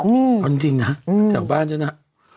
เป็นจริงนะจากบ้านฉันน่ะ